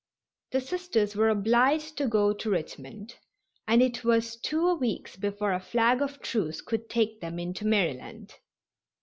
The Sisters were obliged to go to Richmond, and it was two weeks before a flag of truce could take them into Maryland.